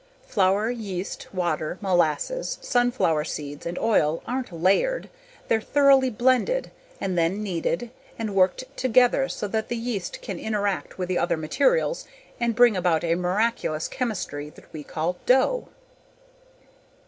Flour, yeast, water, molasses, sunflower seeds, and oil aren't layered, they're thoroughly blended and then kneaded and worked together so that the yeast can interact with the other materials and bring about a miraculous chemistry that we call dough.